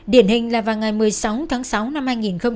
điển hình là vào ngày một mươi sáu tháng sáu năm hai nghìn một mươi tám